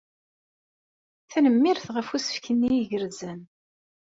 Tanemmirt ɣef usefk-nni igerrzen.